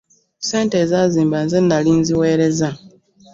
Ssente ezaazimba nze nnali nziwereza.